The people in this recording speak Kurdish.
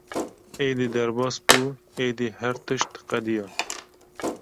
“Êdî derbas bû, êdî her tişt qediya!”